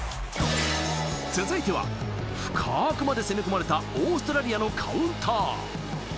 続いては、深くまで攻め込まれたオーストラリアのカウンター。